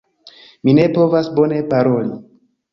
Mi ne povas bone paroli.